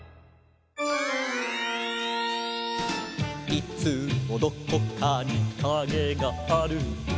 「いつもどこかにカゲがある」